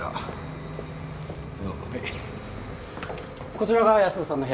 こちらが安田さんの部屋です。